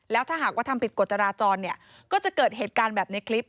แล้วถ้าหากว่าทำผิดกฎจราจรเนี่ยก็จะเกิดเหตุการณ์แบบในคลิป